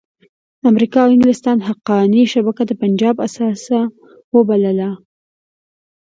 امریکا او انګلستان حقاني شبکه د پنجاب اثاثه وبلله.